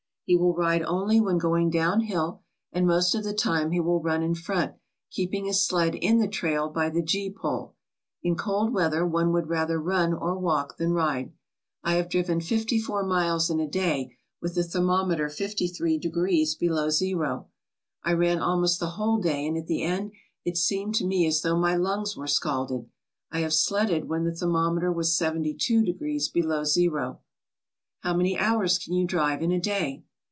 He will ride only when going down hill, and most of the time he will run in front, keeping his sled in the trail by the gee pole. In cold weather one would rather run or walk than ride. I have driven fifty four miles in a day with the thermometer 53 degrees below zero. I ran almost the whole day and at the end it seemed to me as though my lungs were scalded. I have sledded when the thermometer was 72 degrees below zero/* "How many hours can you drive in a day?"